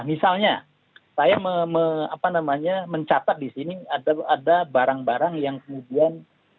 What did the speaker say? misalnya saya mencatat di sini ada barang barang yang kemudian